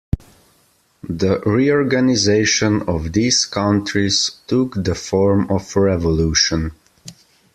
The reorganization of these countries took the form of revolution.